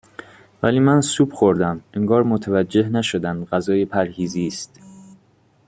ولی من سوپ خوردم انگار متوجه نشدند غذای پرهیزی است